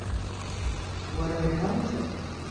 Waraye hanze?